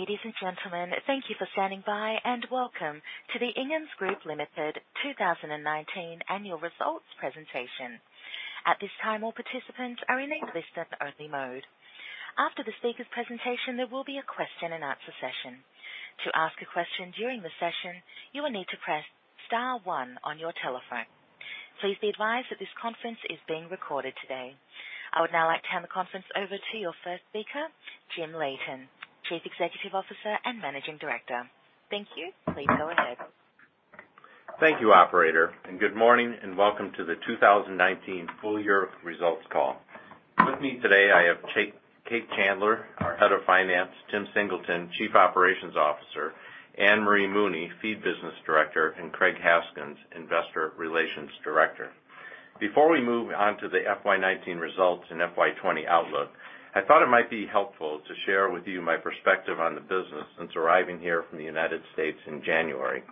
Ladies and gentlemen, thank you for standing by, and welcome to the Inghams Group Limited 2019 Annual Results Presentation. At this time, all participants are in listen-only mode. After the speakers' presentation, there will be a question and answer session. To ask a question during the session, you will need to press star one on your telephone. Please be advised that this conference is being recorded today. I would now like to hand the conference over to your first speaker, Jim Leighton, Chief Executive Officer and Managing Director. Thank you. Please go ahead. Thank you, operator. Good morning, and welcome to the 2019 full-year results call. With me today, I have Cate Chandler, our Head of Finance, Tim Singleton, Chief Operations Officer, Anne-Marie Mooney, Feed Business Director, and Craig Haskins, Investor Relations Director. Before we move on to the FY 2019 results and FY 2020 outlook, I thought it might be helpful to share with you my perspective on the business since arriving here from the United States in January.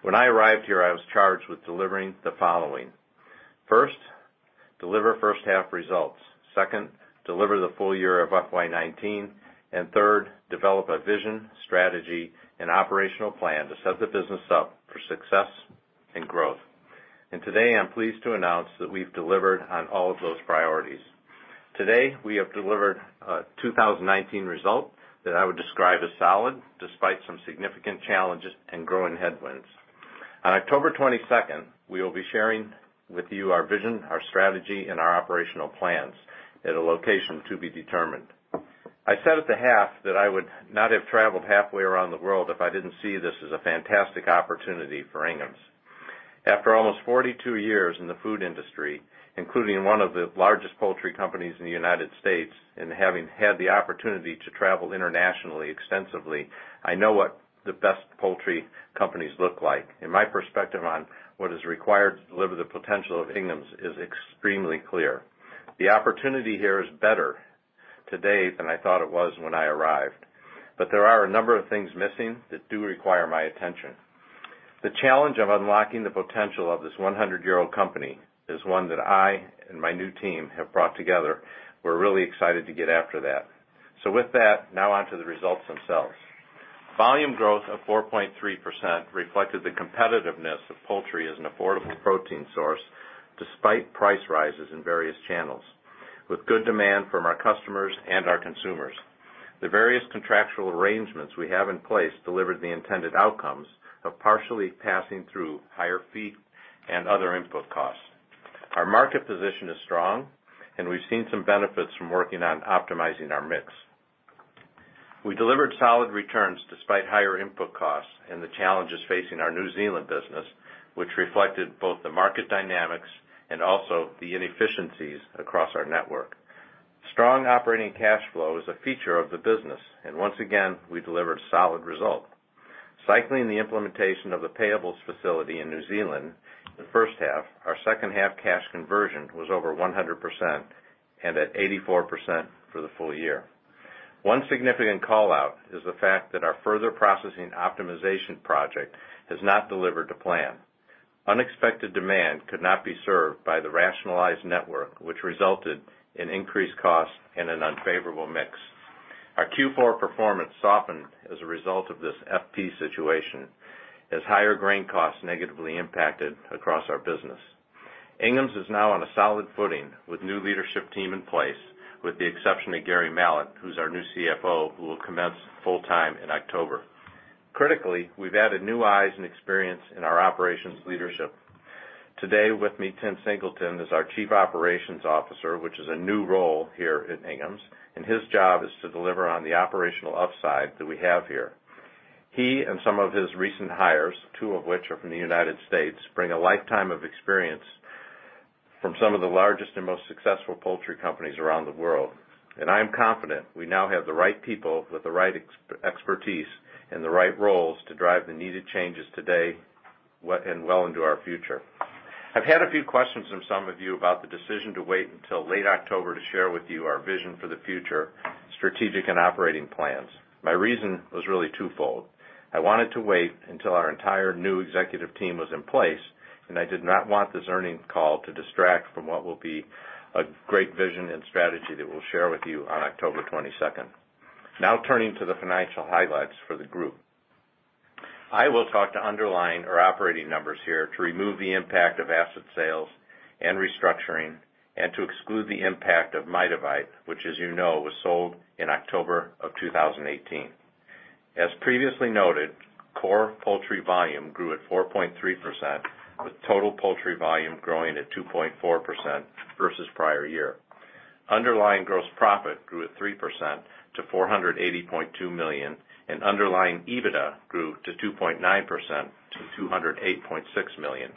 When I arrived here, I was charged with delivering the following. First, deliver first-half results. Second, deliver the full year of FY 2019. Third, develop a vision, strategy, and operational plan to set the business up for success and growth. Today, I'm pleased to announce that we've delivered on all of those priorities. Today, we have delivered a 2019 result that I would describe as solid despite some significant challenges and growing headwinds. On October 22nd, we will be sharing with you our vision, our strategy, and our operational plans at a location to be determined. I said at the half that I would not have traveled halfway around the world if I didn't see this as a fantastic opportunity for Inghams. After almost 42 years in the food industry, including one of the largest poultry companies in the U.S., and having had the opportunity to travel internationally extensively, I know what the best poultry companies look like, and my perspective on what is required to deliver the potential of Inghams is extremely clear. The opportunity here is better today than I thought it was when I arrived, but there are a number of things missing that do require my attention. The challenge of unlocking the potential of this 100-year-old company is one that I and my new team have brought together. We're really excited to get after that. With that, now on to the results themselves. Volume growth of 4.3% reflected the competitiveness of poultry as an affordable protein source despite price rises in various channels, with good demand from our customers and our consumers. The various contractual arrangements we have in place delivered the intended outcomes of partially passing through higher feed and other input costs. Our market position is strong, and we've seen some benefits from working on optimizing our mix. We delivered solid returns despite higher input costs and the challenges facing our New Zealand business, which reflected both the market dynamics and also the inefficiencies across our network. Strong operating cash flow is a feature of the business, and once again, we delivered solid result. Cycling the implementation of the payables facility in New Zealand the first half, our second-half cash conversion was over 100% and at 84% for the full year. One significant call-out is the fact that our further processing optimization project has not delivered to plan. Unexpected demand could not be served by the rationalized network, which resulted in increased costs and an unfavorable mix. Our Q4 performance softened as a result of this FP situation as higher grain costs negatively impacted across our business. Inghams is now on a solid footing with new leadership team in place, with the exception of Gary Mallett, who's our new CFO, who will commence full-time in October. Critically, we've added new eyes and experience in our operations leadership. Today with me, Tim Singleton is our Chief Operations Officer, which is a new role here at Inghams, and his job is to deliver on the operational upside that we have here. He and some of his recent hires, two of which are from the U.S., bring a lifetime of experience from some of the largest and most successful poultry companies around the world, and I am confident we now have the right people with the right expertise and the right roles to drive the needed changes today well into our future. I've had a few questions from some of you about the decision to wait until late October to share with you our vision for the future, strategic and operating plans. My reason was really twofold. I wanted to wait until our entire new executive team was in place, and I did not want this earnings call to distract from what will be a great vision and strategy that we'll share with you on October 22nd. Turning to the financial highlights for the group. I will talk to underlying our operating numbers here to remove the impact of asset sales and restructuring and to exclude the impact of Mitavite, which as you know, was sold in October of 2018. As previously noted, core poultry volume grew at 4.3% with total poultry volume growing at 2.4% versus prior year. Underlying gross profit grew at 3% to 480.2 million, and underlying EBITDA grew to 2.9% to 208.6 million.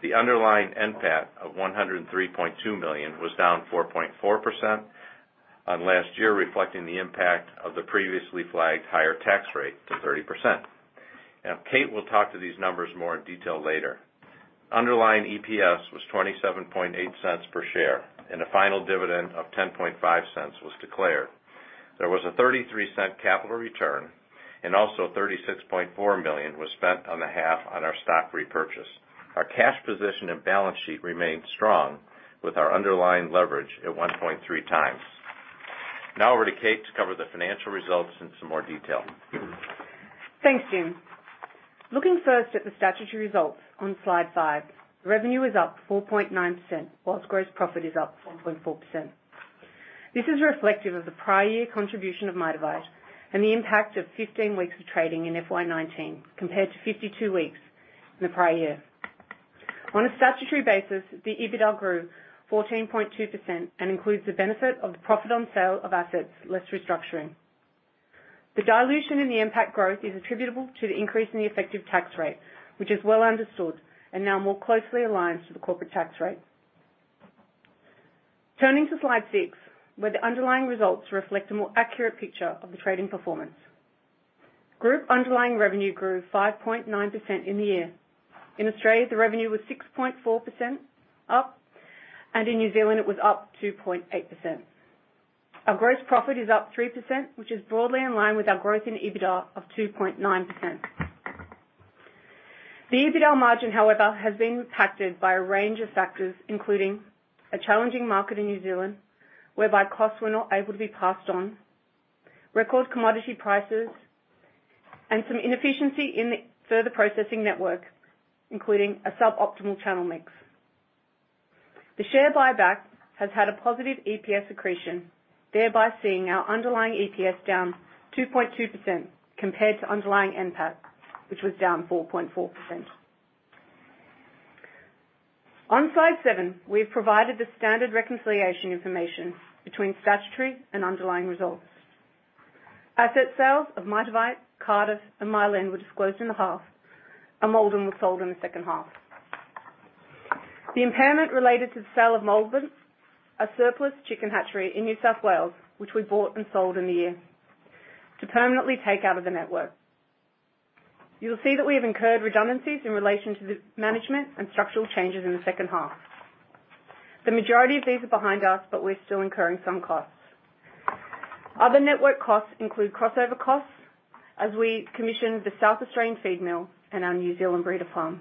The underlying NPAT of 103.2 million was down 4.4% on last year, reflecting the impact of the previously flagged higher tax rate to 30%. Cate will talk to these numbers more in detail later. Underlying EPS was 0.278 per share, and a final dividend of 0.105 was declared. There was a 0.33 capital return, and also 36.4 million was spent on the half on our stock repurchase. Our cash position and balance sheet remained strong with our underlying leverage at 1.3 times. Over to Cate to cover the financial results in some more detail. Thanks, Jim. Looking first at the statutory results on slide five. Revenue is up 4.9%, while gross profit is up 4.4%. This is reflective of the prior year contribution of Mitavite and the impact of 15 weeks of trading in FY 2019, compared to 52 weeks in the prior year. On a statutory basis, the EBITDA grew 14.2% and includes the benefit of the profit on sale of assets less restructuring. The dilution in the impact growth is attributable to the increase in the effective tax rate, which is well understood and now more closely aligns to the corporate tax rate. Turning to slide six, where the underlying results reflect a more accurate picture of the trading performance. Group underlying revenue grew 5.9% in the year. In Australia, the revenue was 6.4% up, in New Zealand it was up 2.8%. Our gross profit is up 3%, which is broadly in line with our growth in EBITDA of 2.9%. The EBITDA margin, however, has been impacted by a range of factors, including a challenging market in New Zealand whereby costs were not able to be passed on, record commodity prices, and some inefficiency in the further processing network, including a suboptimal channel mix. The share buyback has had a positive EPS accretion, thereby seeing our underlying EPS down 2.2% compared to underlying NPAT, which was down 4.4%. On slide seven, we have provided the standard reconciliation information between statutory and underlying results. Asset sales of Mitavite, Cardiff, and Clyde were disclosed in the half, and Murarrie was sold in the second half. The impairment related to the sale of Murarrie, a surplus chicken hatchery in New South Wales, which we bought and sold in the year to permanently take out of the network. You'll see that we have incurred redundancies in relation to the management and structural changes in the second half. The majority of these are behind us, but we're still incurring some costs. Other network costs include crossover costs as we commission the South Australian feed mill and our New Zealand breeder farm.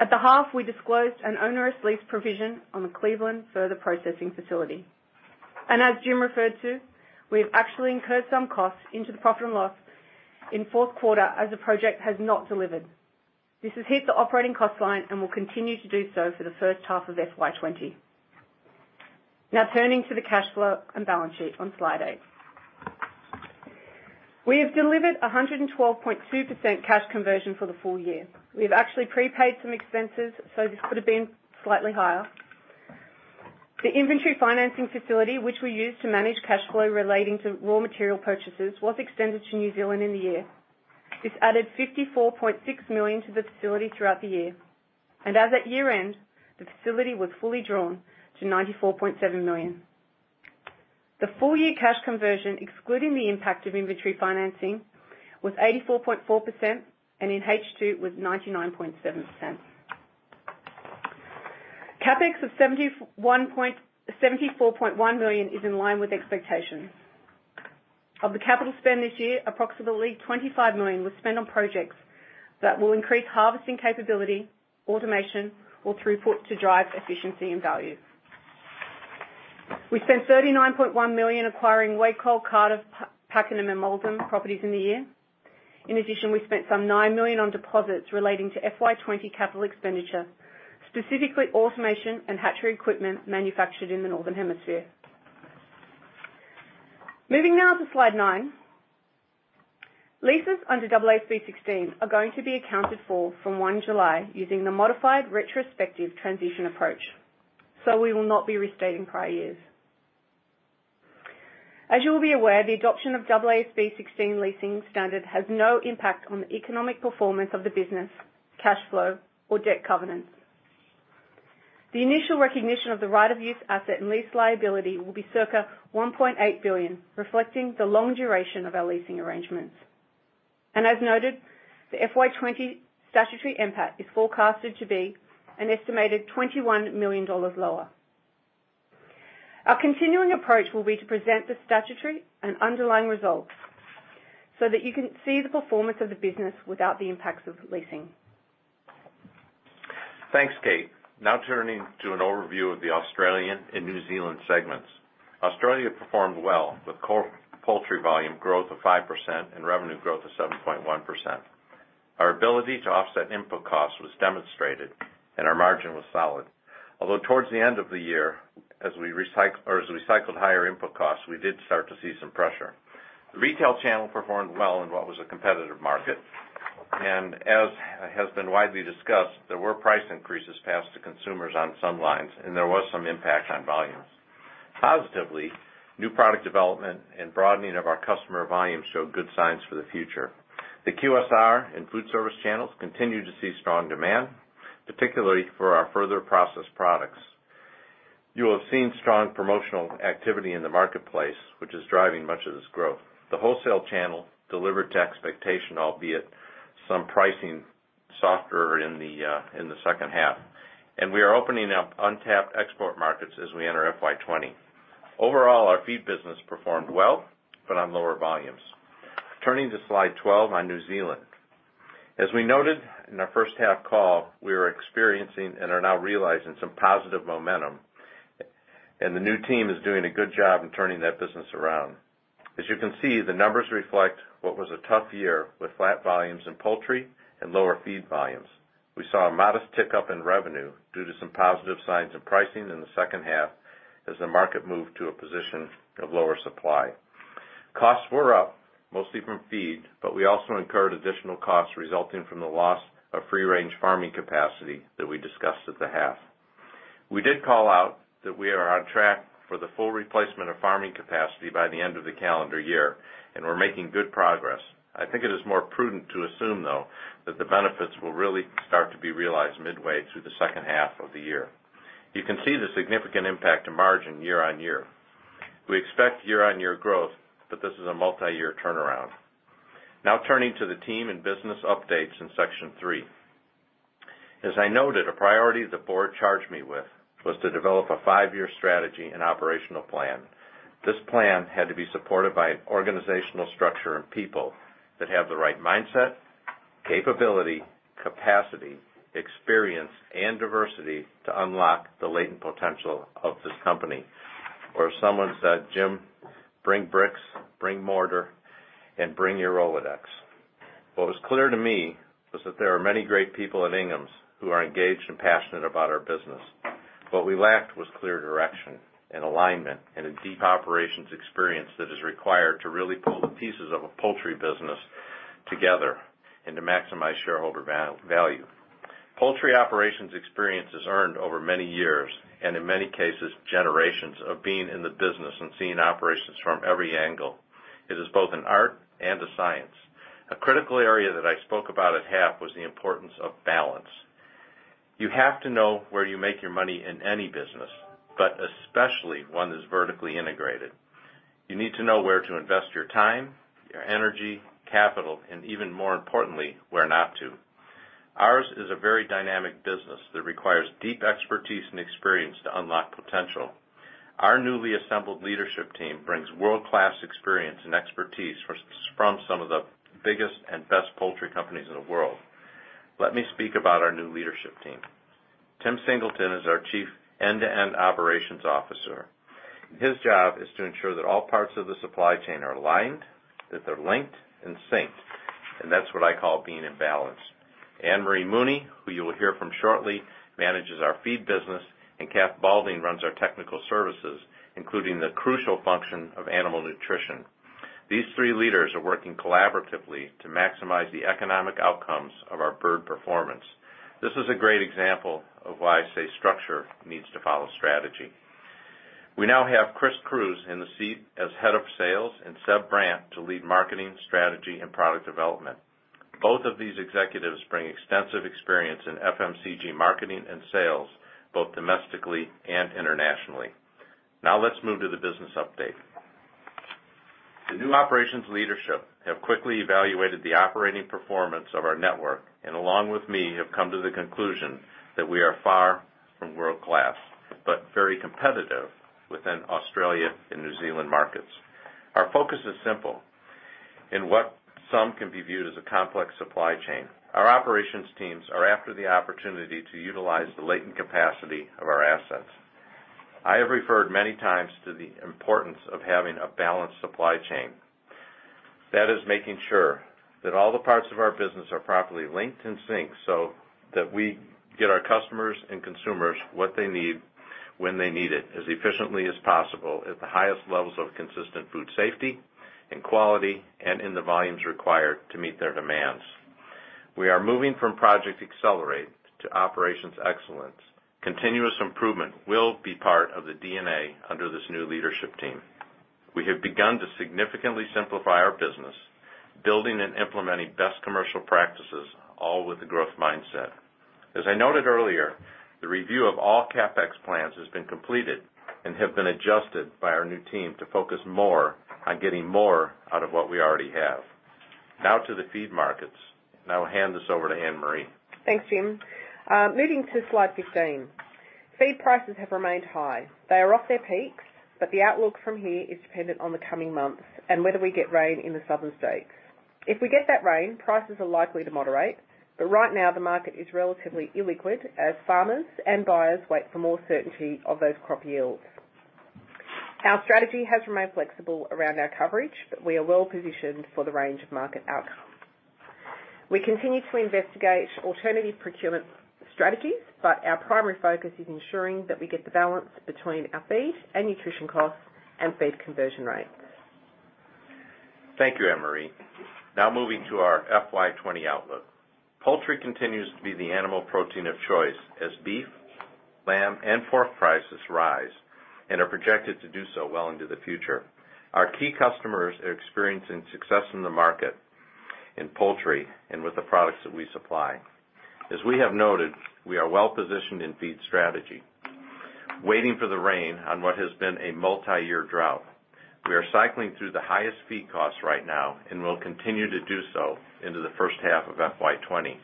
At the half, we disclosed an onerous lease provision on the Clyde further processing facility. As Jim referred to, we've actually incurred some costs into the profit and loss in fourth quarter as the project has not delivered. This has hit the operating cost line and will continue to do so for the first half of FY 2020. Turning to the cash flow and balance sheet on slide eight. We have delivered 112.2% cash conversion for the full year. We've actually prepaid some expenses, this could've been slightly higher. The inventory financing facility, which we use to manage cash flow relating to raw material purchases, was extended to New Zealand in the year. This added 54.6 million to the facility throughout the year. As at year-end, the facility was fully drawn to 94.7 million. The full-year cash conversion, excluding the impact of inventory financing, was 84.4%, in H2 was 99.7%. CapEx of 74.1 million is in line with expectations. Of the capital spend this year, approximately 25 million was spent on projects that will increase harvesting capability, automation, or throughput to drive efficiency and value. We spent 39.1 million acquiring Wacol, Camellia, Pakenham, and Murarrie properties in the year. In addition, we spent some 9 million on deposits relating to FY 2020 CapEx, specifically automation and hatchery equipment manufactured in the northern hemisphere. Moving now to slide nine. Leases under AASB 16 are going to be accounted for from 1 July using the modified retrospective transition approach. We will not be restating prior years. As you will be aware, the adoption of AASB 16 leasing standard has no impact on the economic performance of the business, cash flow, or debt covenants. The initial recognition of the right of use asset and lease liability will be circa 1.8 billion, reflecting the long duration of our leasing arrangements. As noted, the FY 2020 statutory NPAT is forecasted to be an estimated 21 million dollars lower. Our continuing approach will be to present the statutory and underlying results so that you can see the performance of the business without the impacts of leasing. Thanks, Cate. Now turning to an overview of the Australian and New Zealand segments. Australia performed well with poultry volume growth of 5% and revenue growth of 7.1%. Our ability to offset input costs was demonstrated and our margin was solid. Towards the end of the year, as we cycled higher input costs, we did start to see some pressure. The retail channel performed well in what was a competitive market. As has been widely discussed, there were price increases passed to consumers on some lines, and there was some impact on volumes. Positively, new product development and broadening of our customer volumes showed good signs for the future. The QSR and food service channels continue to see strong demand, particularly for our further processed products. You'll have seen strong promotional activity in the marketplace, which is driving much of this growth. The wholesale channel delivered to expectation, albeit some pricing softer in the second half. We are opening up untapped export markets as we enter FY 2020. Overall, our feed business performed well, but on lower volumes. Turning to slide 12 on New Zealand. As we noted in our first half call, we were experiencing and are now realizing some positive momentum, and the new team is doing a good job in turning that business around. As you can see, the numbers reflect what was a tough year with flat volumes in poultry and lower feed volumes. We saw a modest tick-up in revenue due to some positive signs in pricing in the second half as the market moved to a position of lower supply. Costs were up mostly from feed, but we also incurred additional costs resulting from the loss of free-range farming capacity that we discussed at the half. We did call out that we are on track for the full replacement of farming capacity by the end of the calendar year, and we're making good progress. I think it is more prudent to assume, though, that the benefits will really start to be realized midway through the second half of the year. You can see the significant impact to margin year-on-year. We expect year-on-year growth, but this is a multi-year turnaround. Now turning to the team and business updates in section three. As I noted, a priority the board charged me with was to develop a five-year strategy and operational plan. This plan had to be supported by an organizational structure and people that have the right mindset, capability, capacity, experience, and diversity to unlock the latent potential of this company. Someone said, "Jim, bring bricks, bring mortar, and bring your Rolodex." What was clear to me was that there are many great people at Inghams who are engaged and passionate about our business. What we lacked was clear direction and alignment and a deep operations experience that is required to really pull the pieces of a poultry business together and to maximize shareholder value. Poultry operations experience is earned over many years and, in many cases, generations of being in the business and seeing operations from every angle. It is both an art and a science. A critical area that I spoke about at half was the importance of balance. You have to know where you make your money in any business, but especially one that's vertically integrated. You need to know where to invest your time, your energy, capital, and even more importantly, where not to. Ours is a very dynamic business that requires deep expertise and experience to unlock potential. Our newly assembled leadership team brings world-class experience and expertise from some of the biggest and best poultry companies in the world. Let me speak about our new leadership team. Tim Singleton is our Chief end-to-end Operations Officer. His job is to ensure that all parts of the supply chain are aligned, that they're linked and synced, and that's what I call being in balance. Anne-Marie Mooney, who you will hear from shortly, manages our feed business, and Katherine Balding runs our technical services, including the crucial function of animal nutrition. These three leaders are working collaboratively to maximize the economic outcomes of our bird performance. This is a great example of why I say structure needs to follow strategy. We now have Chris Croese in the seat as Head of Sales and Seb Brandt to lead marketing, strategy, and product development. Both of these executives bring extensive experience in FMCG marketing and sales, both domestically and internationally. Let's move to the business update. The new operations leadership have quickly evaluated the operating performance of our network, and along with me, have come to the conclusion that we are far from world-class, but very competitive within Australia and New Zealand markets. Our focus is simple. In what some can be viewed as a complex supply chain, our operations teams are after the opportunity to utilize the latent capacity of our assets. I have referred many times to the importance of having a balanced supply chain. That is making sure that all the parts of our business are properly linked and synced so that we get our customers and consumers what they need, when they need it, as efficiently as possible at the highest levels of consistent food safety, and quality, and in the volumes required to meet their demands. We are moving from Project Accelerate to Operations Excellence. Continuous improvement will be part of the DNA under this new leadership team. We have begun to significantly simplify our business, building and implementing best commercial practices, all with the growth mindset. As I noted earlier, the review of all CapEx plans has been completed and have been adjusted by our new team to focus more on getting more out of what we already have. Now to the feed markets. I will hand this over to Anne-Marie. Thanks, Jim. Moving to slide 15. Feed prices have remained high. They are off their peaks, but the outlook from here is dependent on the coming months and whether we get rain in the southern states. If we get that rain, prices are likely to moderate, but right now the market is relatively illiquid as farmers and buyers wait for more certainty of those crop yields. Our strategy has remained flexible around our coverage, but we are well-positioned for the range of market outcomes. We continue to investigate alternative procurement strategies, but our primary focus is ensuring that we get the balance between our feed and nutrition costs and feed conversion rates. Thank you, Anne-Marie. Now moving to our FY 2020 outlook. Poultry continues to be the animal protein of choice as beef, lamb, and pork prices rise and are projected to do so well into the future. Our key customers are experiencing success in the market in poultry and with the products that we supply. As we have noted, we are well-positioned in feed strategy, waiting for the rain on what has been a multi-year drought. We are cycling through the highest feed costs right now and will continue to do so into the first half of FY 2020.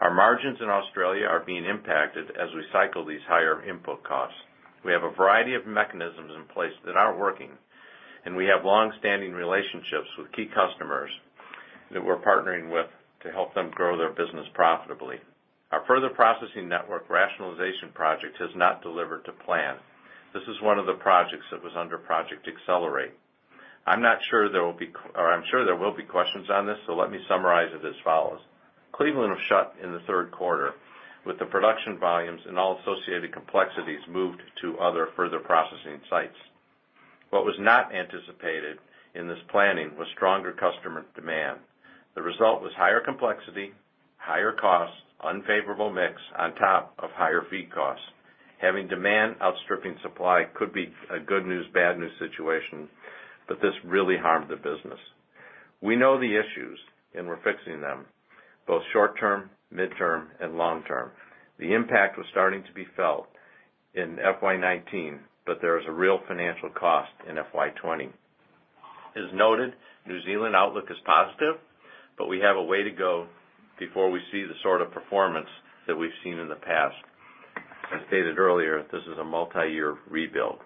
Our margins in Australia are being impacted as we cycle these higher input costs. We have a variety of mechanisms in place that are working, and we have longstanding relationships with key customers that we're partnering with to help them grow their business profitably. Our further processing network rationalization project has not delivered to plan. This is one of the projects that was under Project Accelerate. I'm sure there will be questions on this, so let me summarize it as follows. Cleveland was shut in the third quarter with the production volumes and all associated complexities moved to other further processing sites. What was not anticipated in this planning was stronger customer demand. The result was higher complexity, higher costs, unfavorable mix on top of higher feed costs. Having demand outstripping supply could be a good news, bad news situation, but this really harmed the business. We know the issues, and we're fixing them, both short term, midterm, and long term. The impact was starting to be felt in FY 2019, but there is a real financial cost in FY 2020. New Zealand outlook is positive, but we have a way to go before we see the sort of performance that we've seen in the past. As stated earlier, this is a multi-year rebuild.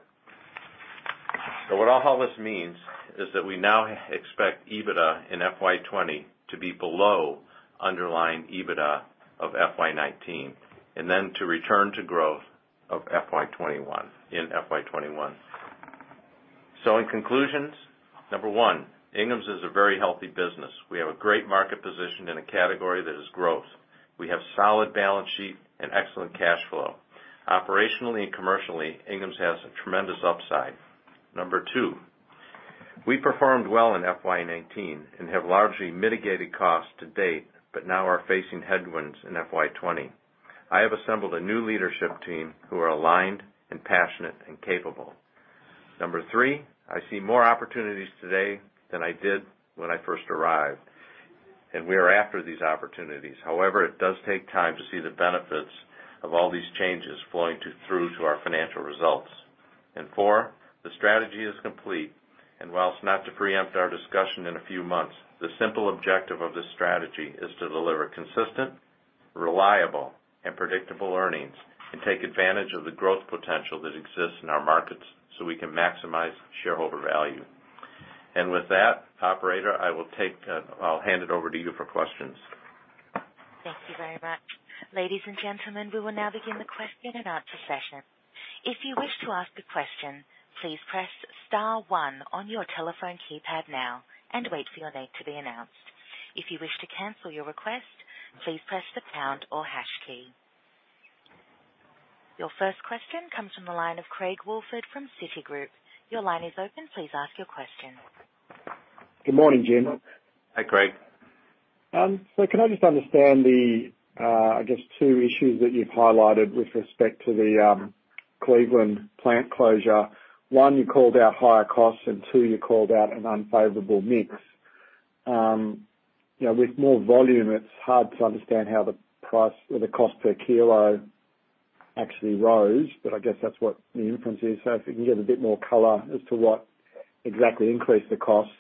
What all this means is that we now expect EBITDA in FY 2020 to be below underlying EBITDA of FY 2019, and then to return to growth in FY 2021. In conclusions, number one, Inghams is a very healthy business. We have a great market position in a category that is growth. We have solid balance sheet and excellent cash flow. Operationally and commercially, Inghams has a tremendous upside. Number two, we performed well in FY 2019 and have largely mitigated costs to date, but now are facing headwinds in FY 2020. I have assembled a new leadership team who are aligned and passionate and capable. Number 3, I see more opportunities today than I did when I first arrived. We are after these opportunities. However, it does take time to see the benefits of all these changes flowing through to our financial results. 4, the strategy is complete. While not to preempt our discussion in a few months, the simple objective of this strategy is to deliver consistent, reliable, and predictable earnings and take advantage of the growth potential that exists in our markets so we can maximize shareholder value. With that, operator, I'll hand it over to you for questions. Thank you very much. Ladies and gentlemen, we will now begin the question and answer session. If you wish to ask a question, please press *1 on your telephone keypad now and wait for your name to be announced. If you wish to cancel your request, please press the pound or hash key. Your first question comes from the line of Craig Woolford from Citigroup. Your line is open. Please ask your question. Good morning, Jim. Hi, Craig. Can I just understand the, I guess, two issues that you've highlighted with respect to the Cleveland plant closure. One, you called out higher costs, and two, you called out an unfavorable mix. With more volume, it is hard to understand how the cost per kilo actually rose, but I guess that is what the inference is. If you can give a bit more color as to what exactly increased the cost,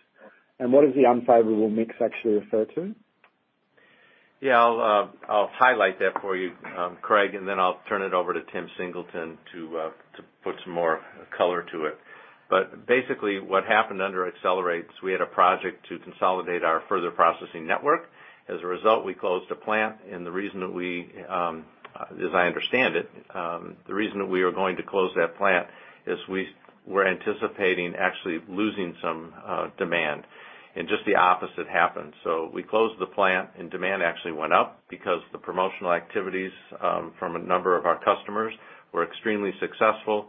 and what does the unfavorable mix actually refer to? Yeah. I'll highlight that for you, Craig, and then I'll turn it over to Tim Singleton to put some more color to it. Basically what happened under Accelerate is we had a project to consolidate our further processing network. As a result, we closed a plant, and as I understand it, the reason that we are going to close that plant is we were anticipating actually losing some demand, and just the opposite happened. We closed the plant, and demand actually went up because the promotional activities from a number of our customers were extremely successful.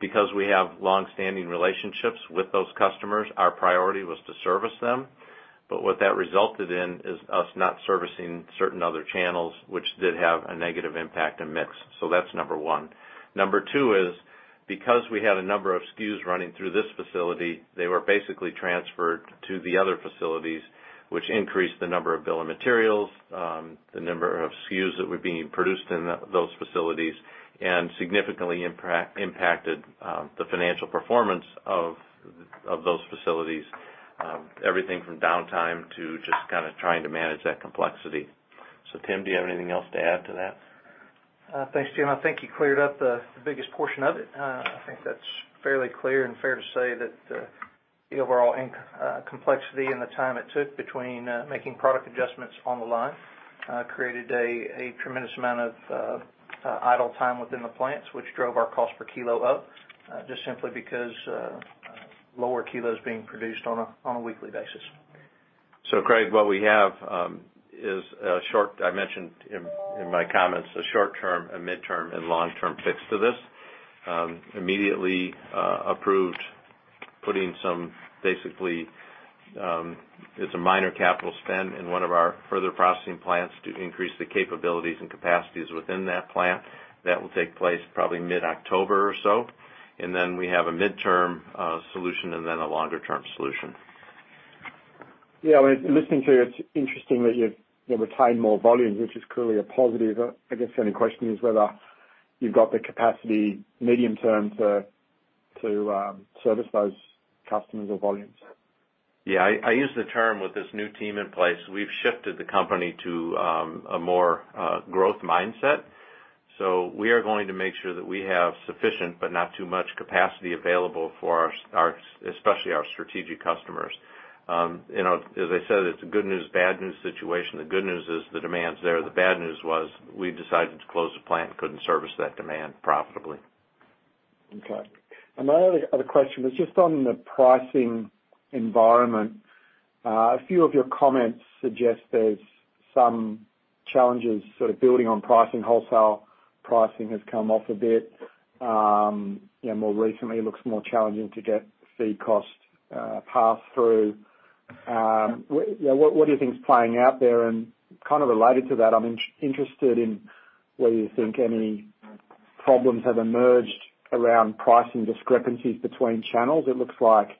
Because we have longstanding relationships with those customers, our priority was to service them. What that resulted in is us not servicing certain other channels, which did have a negative impact and mix. That's number 1. Number two is because we had a number of SKUs running through this facility, they were basically transferred to the other facilities, which increased the number of bill of materials, the number of SKUs that were being produced in those facilities, and significantly impacted the financial performance of those facilities. Everything from downtime to just kind of trying to manage that complexity. Tim, do you have anything else to add to that? Thanks, Jim. I think you cleared up the biggest portion of it. I think that's fairly clear and fair to say that the overall complexity and the time it took between making product adjustments on the line created a tremendous amount of idle time within the plants, which drove our cost per kilo up, just simply because lower kilos being produced on a weekly basis. Craig, what we have is, I mentioned in my comments, a short term, a midterm, and long-term fix to this. Immediately approved, putting some basically, it's a minor capital spend in one of our further processing plants to increase the capabilities and capacities within that plant. That will take place probably mid-October or so. Then we have a midterm solution and then a longer term solution. Yeah. Listening to you, it's interesting that you've retained more volume, which is clearly a positive. I guess the only question is whether you've got the capacity medium term to service those customers or volumes. Yeah. I use the term with this new team in place, we've shifted the company to a more growth mindset. We are going to make sure that we have sufficient but not too much capacity available for especially our strategic customers. As I said, it's a good news, bad news situation. The good news is the demand's there. The bad news was we decided to close the plant, couldn't service that demand profitably. Okay. My other question was just on the pricing environment. A few of your comments suggest there's some challenges sort of building on pricing. Wholesale pricing has come off a bit. More recently, it looks more challenging to get feed cost passed through. What do you think is playing out there? Kind of related to that, I'm interested in whether you think any problems have emerged around pricing discrepancies between channels. It looks like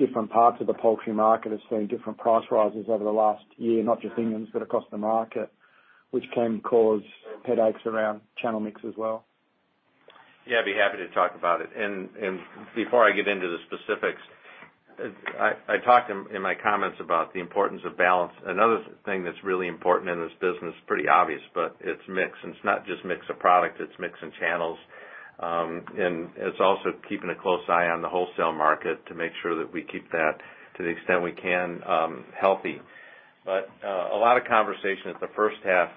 different parts of the poultry market has seen different price rises over the last year, not just Inghams, but across the market, which can cause headaches around channel mix as well. Yeah, I'd be happy to talk about it. Before I get into the specifics, I talked in my comments about the importance of balance. Another thing that's really important in this business, pretty obvious, but it's mix. It's not just mix of product, it's mix in channels. It's also keeping a close eye on the wholesale market to make sure that we keep that to the extent we can, healthy. A lot of conversation at the first half,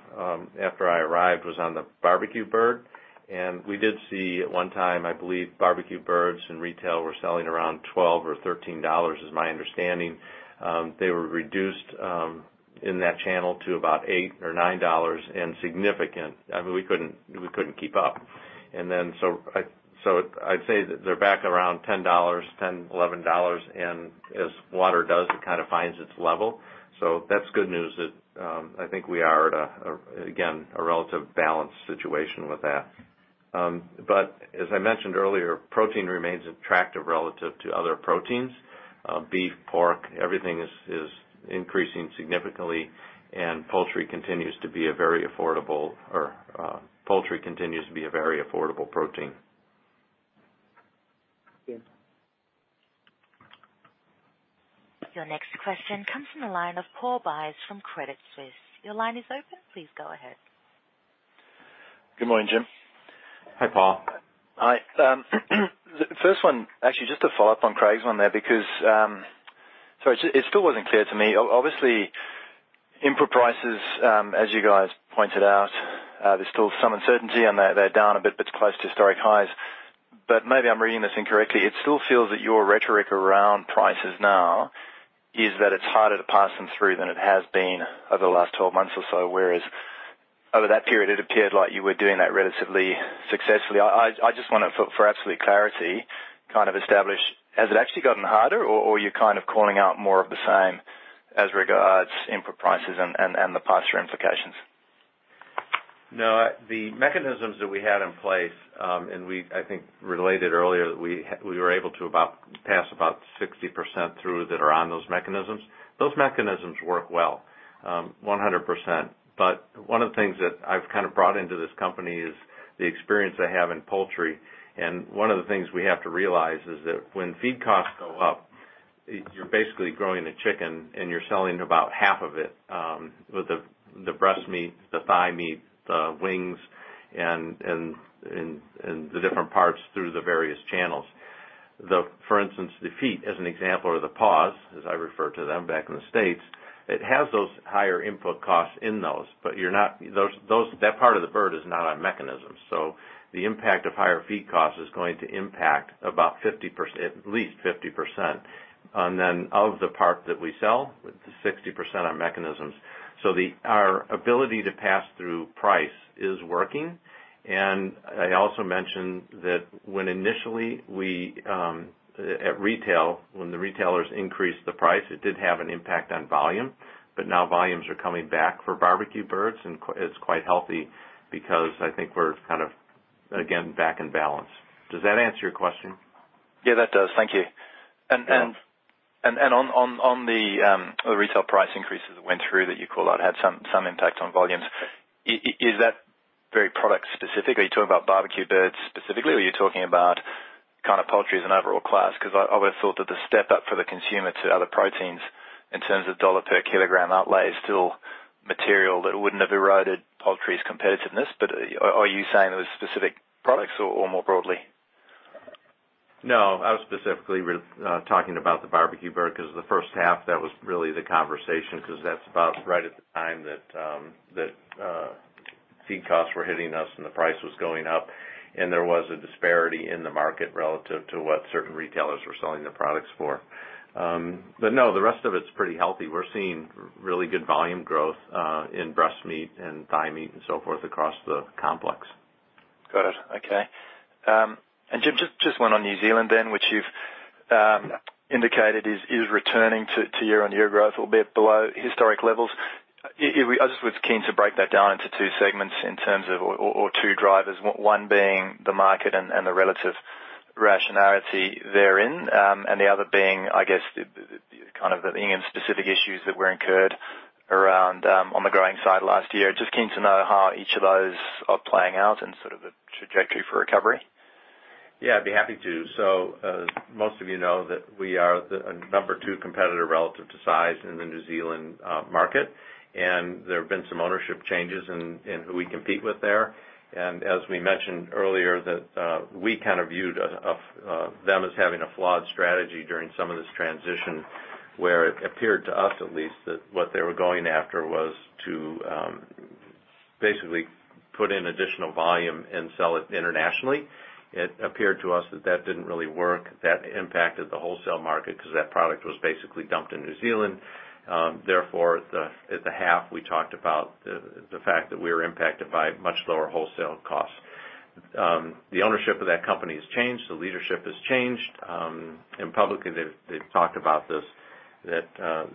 after I arrived, was on the barbecue bird, and we did see at one time, I believe, barbecue birds in retail were selling around 12 or 13 dollars is my understanding. They were reduced in that channel to about 8 or 9 dollars and significant. I mean, we couldn't keep up. I'd say that they're back around 10 dollars, 11 dollars and as water does, it kind of finds its level. That's good news that I think we are at, again, a relative balanced situation with that. As I mentioned earlier, protein remains attractive relative to other proteins. Beef, pork, everything is increasing significantly and poultry continues to be a very affordable protein. Okay. Your next question comes from the line of Paul Buys from Credit Suisse. Your line is open. Please go ahead. Good morning, Jim. Hi, Paul. Hi. First one, actually, just to follow up on Craig's one there. It still wasn't clear to me. Obviously input prices, as you guys pointed out, there's still some uncertainty and they're down a bit, but it's close to historic highs. Maybe I'm reading this incorrectly. It still feels that your rhetoric around prices now is that it's harder to pass them through than it has been over the last 12 months or so, whereas over that period, it appeared like you were doing that relatively successfully. I just want to, for absolute clarity, kind of establish, has it actually gotten harder or are you kind of calling out more of the same as regards input prices and the posture implications? The mechanisms that we had in place, and we, I think, related earlier that we were able to pass about 60% through that are on those mechanisms. Those mechanisms work well, 100%. One of the things that I've kind of brought into this company is the experience I have in poultry. One of the things we have to realize is that when feed costs go up, you're basically growing a chicken and you're selling about half of it, with the breast meat, the thigh meat, the wings and the different parts through the various channels. For instance, the feet as an example, or the paws as I refer to them back in the U.S., it has those higher input costs in those. That part of the bird is not on mechanisms. The impact of higher feed cost is going to impact at least 50%. Of the part that we sell, with the 60% on mechanisms. Our ability to pass through price is working. I also mentioned that when initially at retail, when the retailers increased the price, it did have an impact on volume. Now volumes are coming back for barbecue birds and it's quite healthy because I think we're kind of again, back in balance. Does that answer your question? Yeah, that does. Thank you. Yeah. On the retail price increases that went through that you called out had some impact on volumes. Is that very product specific? Are you talking about barbecue birds specifically or are you talking about kind of poultry as an overall class? I would've thought that the step up for the consumer to other proteins in terms of AUD per kilogram outlay is still material that wouldn't have eroded poultry's competitiveness. Are you saying it was specific products or more broadly? No, I was specifically talking about the barbecue bird because the first half that was really the conversation because that's about right at the time that feed costs were hitting us and the price was going up and there was a disparity in the market relative to what certain retailers were selling their products for. No, the rest of it's pretty healthy. We're seeing really good volume growth, in breast meat and thigh meat and so forth across the complex. Got it. Okay. Jim, just one on New Zealand then, which you've indicated is returning to year-on-year growth a bit below historic levels. I just was keen to break that down into two segments in terms of, or two drivers, one being the market and the relative rationality therein. The other being, I guess the kind of the Inghams specific issues that were incurred around, on the growing side last year. Just keen to know how each of those are playing out and sort of the trajectory for recovery. Yeah, I'd be happy to. Most of you know that we are the number 2 competitor relative to size in the New Zealand market, and there have been some ownership changes in who we compete with there. As we mentioned earlier that we kind of viewed them as having a flawed strategy during some of this transition, where it appeared, to us at least, that what they were going after was to basically put in additional volume and sell it internationally. It appeared to us that that didn't really work. That impacted the wholesale market because that product was basically dumped in New Zealand. Therefore, at the half, we talked about the fact that we were impacted by much lower wholesale costs. The ownership of that company has changed, the leadership has changed. Publicly, they've talked about this, that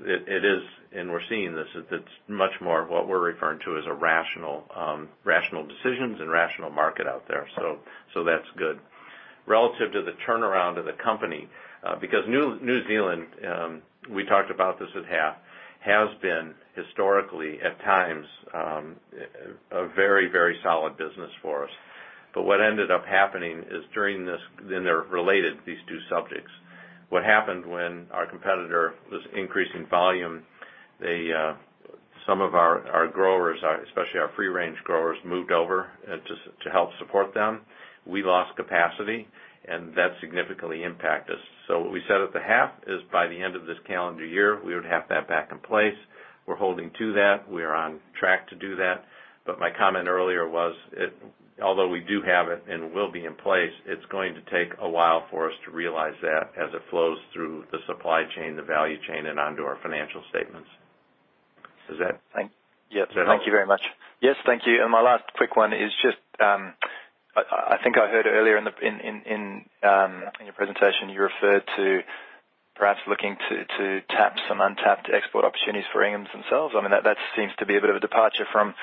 it is, and we're seeing this, that it's much more of what we're referring to as rational decisions and rational market out there. That's good. Relative to the turnaround of the company, because New Zealand, we talked about this at half, has been historically, at times, a very solid business for us. What ended up happening is during this, then they're related, these two subjects. What happened when our competitor was increasing volume, some of our growers, especially our free-range growers, moved over to help support them. We lost capacity, and that significantly impact us. What we said at the half is by the end of this calendar year, we would have that back in place. We're holding to that. We are on track to do that. My comment earlier was, although we do have it and will be in place, it's going to take a while for us to realize that as it flows through the supply chain, the value chain, and onto our financial statements. Does that help? Yes. Thank you very much. Yes, thank you. My last quick one is just, I think I heard earlier in your presentation, you referred to perhaps looking to tap some untapped export opportunities for Inghams themselves. That seems to be a bit of a departure from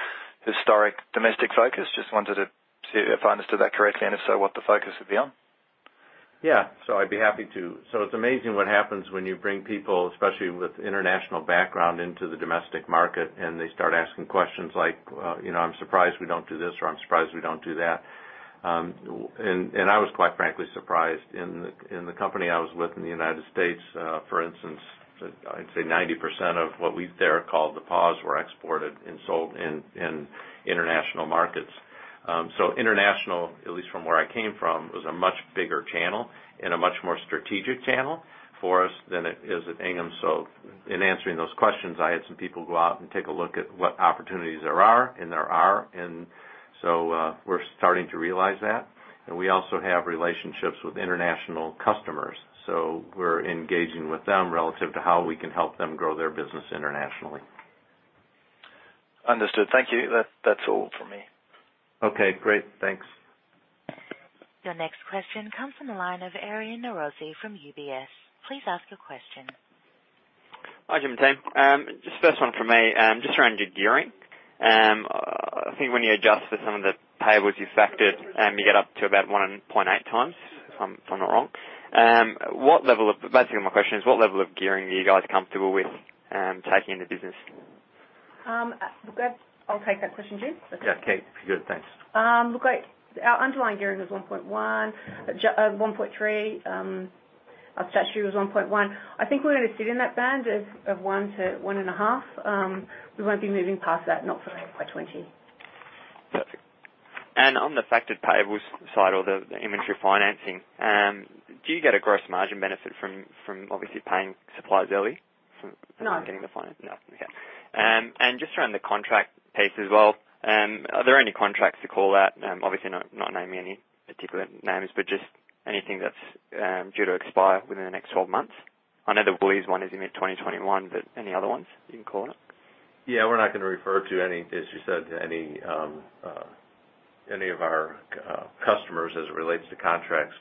historic domestic focus. Just wanted to see if I understood that correctly, and if so, what the focus would be on. Yeah. I'd be happy to. It's amazing what happens when you bring people, especially with international background, into the domestic market, and they start asking questions like, "I'm surprised we don't do this," or, "I'm surprised we don't do that." I was, quite frankly, surprised. In the company I was with in the U.S., for instance, I'd say 90% of what we there called the paws were exported and sold in international markets. International, at least from where I came from, was a much bigger channel and a much more strategic channel for us than it is at Inghams. In answering those questions, I had some people go out and take a look at what opportunities there are, and there are. We're starting to realize that. We also have relationships with international customers, so we're engaging with them relative to how we can help them grow their business internationally. Understood. Thank you. That's all from me. Okay, great. Thanks. Your next question comes from the line of Aryan Norozi from UBS. Please ask your question. Hi, Jim and team. Just first one from me, just around your gearing. I think when you adjust for some of the payables you factored, and you get up to about 1.8 times, if I'm not wrong. Basically, my question is what level of gearing are you guys comfortable with taking in the business? I'll take that question, Jim. Yeah. Cate, good, thanks. Our underlying gearing was 1.3. Our statutory was 1.1. I think we're going to sit in that band of one to 1.5. We won't be moving past that, not for FY 2020. Perfect. On the factored payables side or the inventory financing, do you get a gross margin benefit from obviously paying suppliers early? No. From getting the finance. No. Okay. Just around the contract piece as well, are there any contracts to call out? Obviously, not naming any particular names, but just anything that's due to expire within the next 12 months? I know the Woolworths one is in mid-2021, but any other ones you can call on it? Yeah, we're not going to refer to any, as you said, any of our customers as it relates to contracts.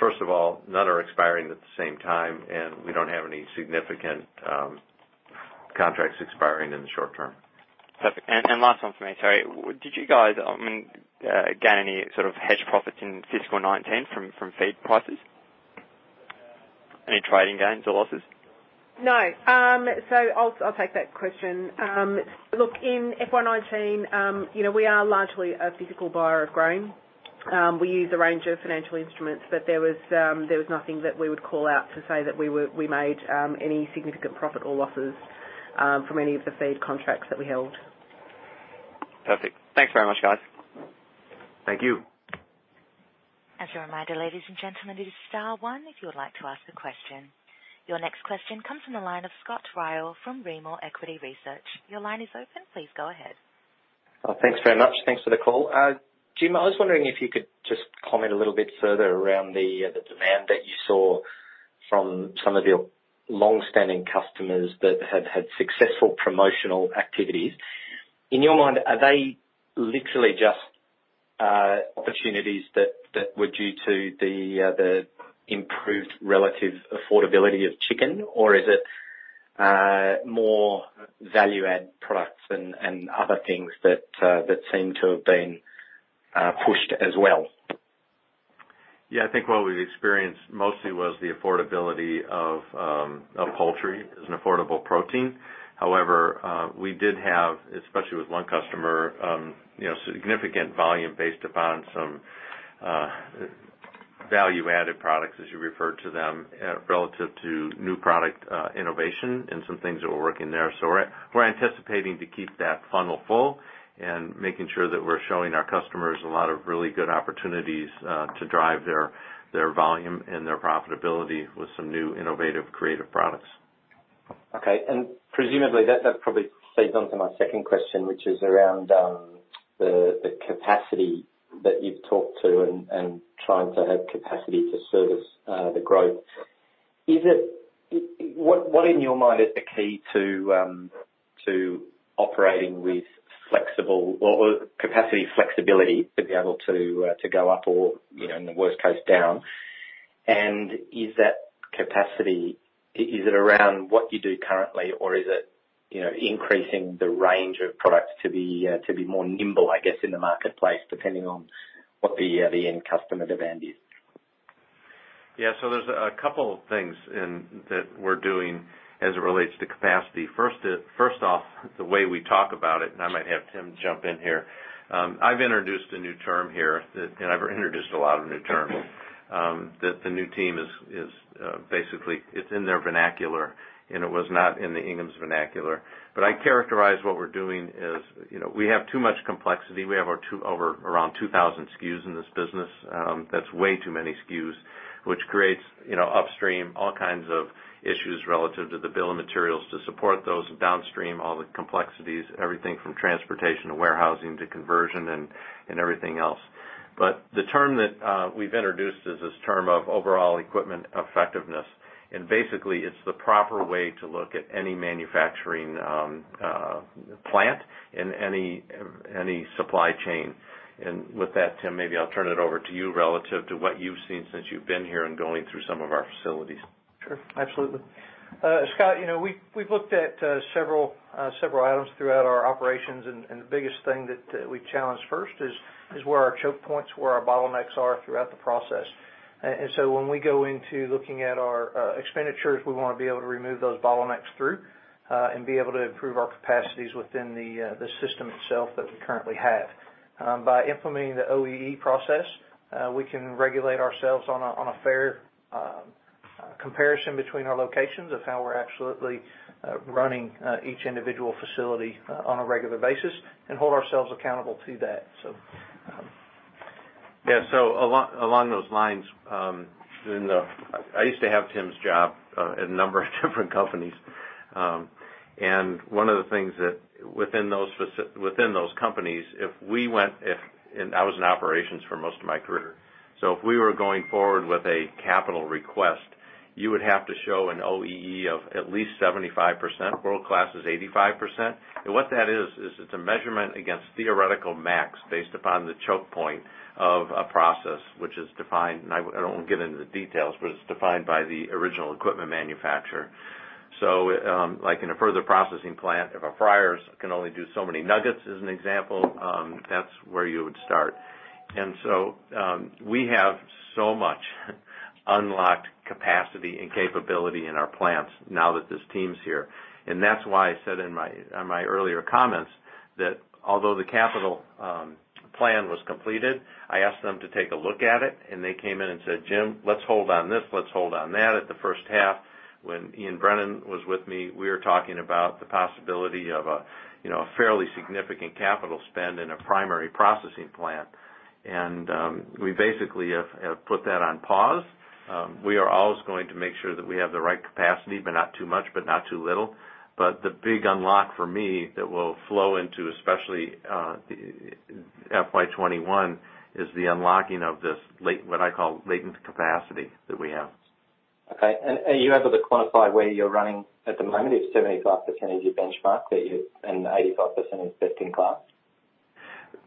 First of all, none are expiring at the same time, and we don't have any significant contracts expiring in the short term. Perfect. Last one from me. Sorry. Did you guys gain any sort of hedge profits in fiscal 2019 from feed prices? Any trading gains or losses? No. I'll take that question. Look, in FY 2019, we are largely a physical buyer of grain. We use a range of financial instruments, but there was nothing that we would call out to say that we made any significant profit or losses from any of the feed contracts that we held. Perfect. Thanks very much, guys. Thank you. As a reminder, ladies and gentlemen, it is star 1 if you would like to ask a question. Your next question comes from the line of Scott Ryall from Rimor Equity Research. Your line is open. Please go ahead. Thanks very much. Thanks for the call. Jim, I was wondering if you could just comment a little bit further around the demand that you saw from some of your longstanding customers that have had successful promotional activities. In your mind, are they literally just opportunities that were due to the improved relative affordability of chicken, or is it more value-add products and other things that seem to have been pushed as well? Yeah, I think what we've experienced mostly was the affordability of poultry as an affordable protein. However, we did have, especially with one customer, significant volume based upon some Value-added products, as you refer to them, relative to new product innovation and some things that we're working there. We're anticipating to keep that funnel full and making sure that we're showing our customers a lot of really good opportunities to drive their volume and their profitability with some new, innovative, creative products. Okay. Presumably, that probably fades onto my second question, which is around the capacity that you've talked to and trying to have capacity to service the growth. What in your mind is the key to operating with capacity flexibility to be able to go up or in the worst case, down? Is that capacity, is it around what you do currently or is it increasing the range of products to be more nimble in the marketplace, depending on what the end customer demand is? There's a couple of things that we're doing as it relates to capacity. First off, the way we talk about it, and I might have Tim jump in here. I've introduced a new term here, and I've introduced a lot of new terms, that the new team is basically, it's in their vernacular, and it was not in the Inghams vernacular. I characterize what we're doing as, we have too much complexity. We have around 2,000 SKUs in this business. That's way too many SKUs, which creates, upstream, all kinds of issues relative to the bill of materials to support those, and downstream, all the complexities, everything from transportation to warehousing to conversion and everything else. The term that we've introduced is this term of overall equipment effectiveness. Basically, it's the proper way to look at any manufacturing plant and any supply chain. With that, Tim, maybe I'll turn it over to you relative to what you've seen since you've been here and going through some of our facilities. Sure. Absolutely. Scott, we've looked at several items throughout our operations, the biggest thing that we challenged first is where our choke points, where our bottlenecks are throughout the process. So when we go into looking at our expenditures, we want to be able to remove those bottlenecks through, and be able to improve our capacities within the system itself that we currently have. By implementing the OEE process, we can regulate ourselves on a fair comparison between our locations of how we're absolutely running each individual facility on a regular basis and hold ourselves accountable to that. Yeah. Along those lines, I used to have Tim's job at a number of different companies. One of the things that within those companies, I was in operations for most of my career. If we were going forward with a capital request, you would have to show an OEE of at least 75%. World class is 85%. What that is it's a measurement against theoretical max based upon the choke point of a process which is defined, and I won't get into the details, but it's defined by the original equipment manufacturer. Like in a further processing plant, if our fryers can only do so many nuggets as an example, that's where you would start. We have so much unlocked capacity and capability in our plants now that this team's here. That's why I said in my earlier comments that although the capital plan was completed, I asked them to take a look at it, and they came in and said, "Jim, let's hold on this. Let's hold on that." At the first half, when Ian Brennan was with me, we were talking about the possibility of a fairly significant capital spend in a primary processing plant. We basically have put that on pause. We are always going to make sure that we have the right capacity, but not too much, but not too little. The big unlock for me that will flow into especially FY 2021 is the unlocking of this, what I call latent capacity that we have. Okay. Are you able to quantify where you're running at the moment, if 75% is your benchmark that you, and 85% is best in class?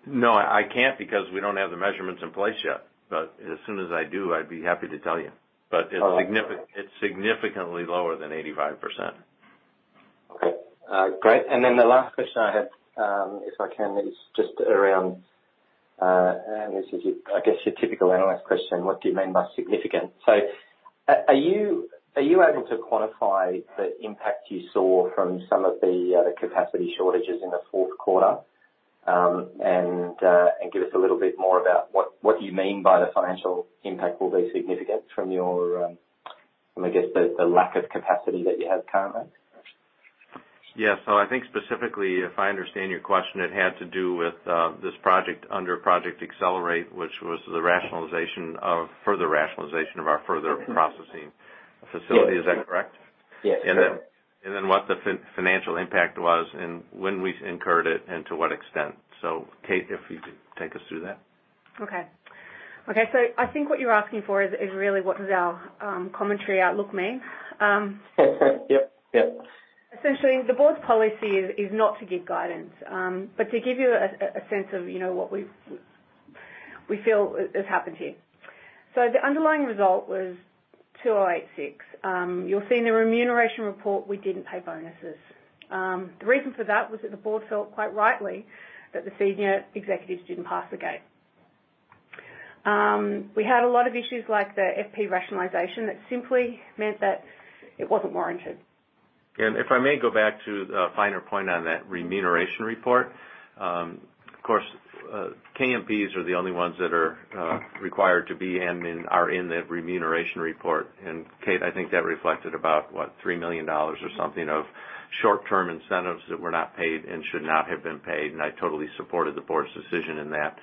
No, I can't because we don't have the measurements in place yet. As soon as I do, I'd be happy to tell you. It's significantly lower than 85%. Okay. Great. The last question I had, if I can, is just around, and this is, I guess, your typical analyst question, what do you mean by significant? Are you able to quantify the impact you saw from some of the capacity shortages in the fourth quarter? Give us a little bit more about what do you mean by the financial impact will be significant from your, I guess the lack of capacity that you have currently? Yeah. I think specifically, if I understand your question, it had to do with this project under Project Accelerate, which was the further rationalization of our further processing facility. Is that correct? Yes. What the financial impact was and when we incurred it and to what extent. Cate, if you could take us through that. Okay. I think what you're asking for is really what does our commentary outlook mean? Yep. Essentially, the board's policy is not to give guidance. To give you a sense of what we feel has happened here. The underlying result was 208.6 million. You'll see in the remuneration report, we didn't pay bonuses. The reason for that was that the board felt, quite rightly, that the senior executives didn't pass the gate. We had a lot of issues like the FP rationalization that simply meant that it wasn't warranted. If I may go back to the finer point on that remuneration report. Of course, KMPs are the only ones that are required to be, and are in that remuneration report. Cate, I think that reflected about, what, 3 million dollars or something of short-term incentives that were not paid and should not have been paid. I totally supported the board's decision in that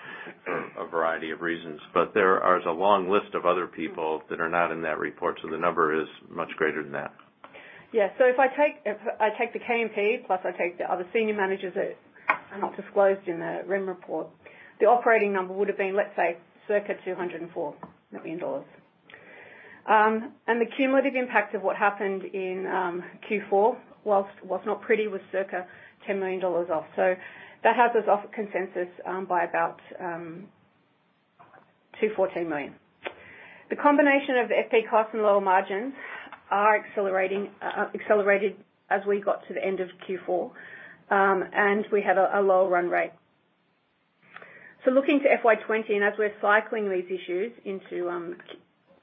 for a variety of reasons. There is a long list of other people that are not in that report, so the number is much greater than that. Yeah. If I take the KMP, plus I take the other senior managers that are not disclosed in the REM report, the operating number would've been, let's say, circa 204 million dollars. The cumulative impact of what happened in Q4, whilst was not pretty, was circa 10 million dollars off. That has us off consensus by about 2 million-4 million. The combination of FP costs and lower margins are accelerated as we got to the end of Q4. We have a lower run rate. Looking to FY 2020, and as we're cycling these issues into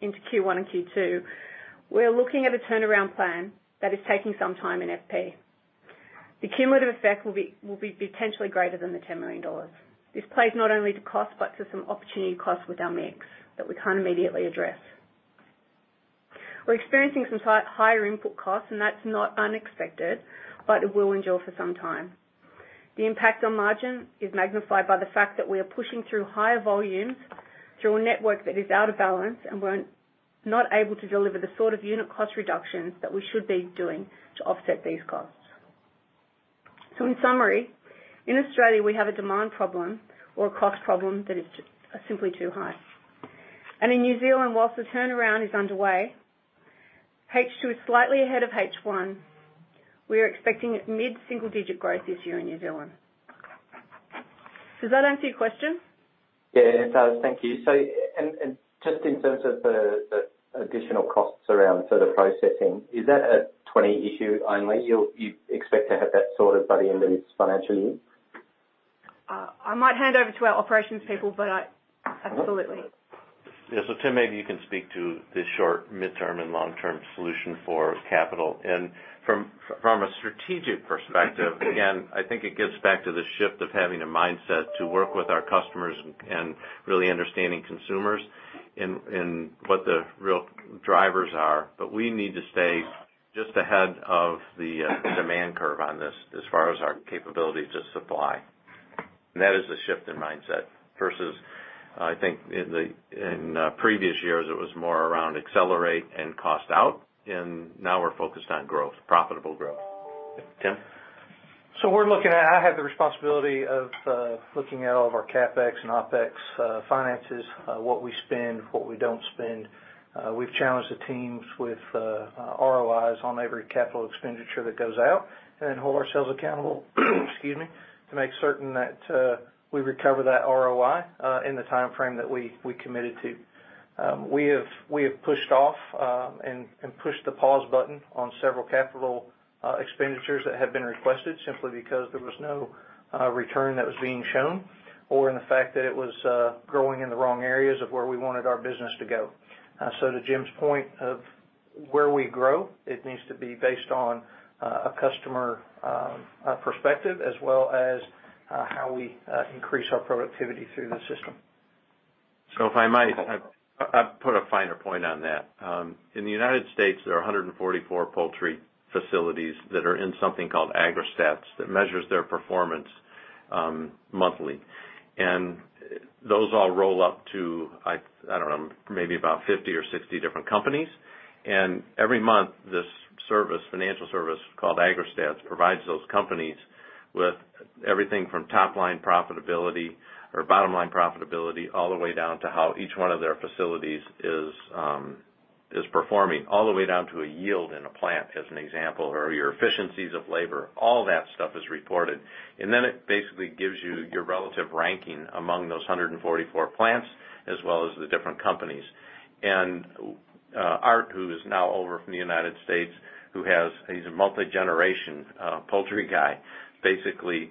Q1 and Q2, we're looking at a turnaround plan that is taking some time in FP. The cumulative effect will be potentially greater than the 10 million dollars. This plays not only to cost, but to some opportunity costs with our mix that we can't immediately address. We're experiencing some higher input costs, and that's not unexpected, but it will endure for some time. The impact on margin is magnified by the fact that we are pushing through higher volumes through a network that is out of balance and we're not able to deliver the sort of unit cost reductions that we should be doing to offset these costs. In summary, in Australia, we have a demand problem or a cost problem that is just simply too high. In New Zealand, whilst the turnaround is underway, H2 is slightly ahead of H1. We're expecting mid-single-digit growth this year in New Zealand. Does that answer your question? Yeah, it does. Thank you. Just in terms of the additional costs around sort of processing, is that a 2020 issue only? You expect to have that sorted by the end of this financial year? I might hand over to our operations people. Absolutely. Yeah. Tim, maybe you can speak to the short, midterm, and long-term solution for capital. From a strategic perspective, again, I think it gets back to the shift of having a mindset to work with our customers and really understanding consumers and what the real drivers are. We need to stay just ahead of the demand curve on this as far as our capability to supply. That is a shift in mindset versus, I think, in previous years, it was more around accelerate and cost out, and now we're focused on growth, profitable growth. Tim? We're looking at, I have the responsibility of looking at all of our CapEx and OpEx finances, what we spend, what we don't spend. We've challenged the teams with ROIs on every capital expenditure that goes out and then hold ourselves accountable, excuse me, to make certain that we recover that ROI in the timeframe that we committed to. We have pushed off and pushed the pause button on several capital expenditures that have been requested simply because there was no return that was being shown or in the fact that it was growing in the wrong areas of where we wanted our business to go. To Jim's point of where we grow, it needs to be based on a customer perspective as well as how we increase our productivity through the system. If I might, I'd put a finer point on that. In the U.S., there are 144 poultry facilities that are in something called AgriStats that measures their performance monthly. Those all roll up to, I don't know, maybe about 50 or 60 different companies. Every month, this financial service called AgriStats provides those companies with everything from top-line profitability or bottom-line profitability, all the way down to how each one of their facilities is performing, all the way down to a yield in a plant, as an example, or your efficiencies of labor. All that stuff is reported. Then it basically gives you your relative ranking among those 144 plants as well as the different companies. Art, who is now over from the U.S., he's a multi-generation poultry guy. Basically,